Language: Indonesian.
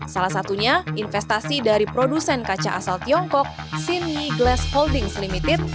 salah satunya investasi dari produsen kaca asal tiongkok sini glass holdings limited